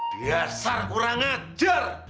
biasa kurang ajar